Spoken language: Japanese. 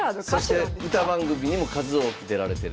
そして歌番組にも数多く出られてると。